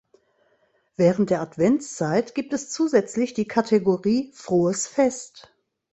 Während der Adventszeit gibt es zusätzlich die Kategorie „Frohes Fest“.